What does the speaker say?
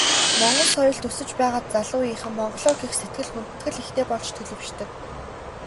Монгол соёлд өсөж байгаа залуу үеийнхэн Монголоо гэх сэтгэл, хүндэтгэл ихтэй болж төлөвшдөг.